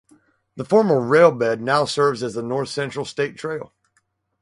The former railbed now serves as the North Central State Trail.